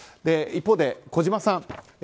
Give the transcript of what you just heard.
一方で児嶋さん。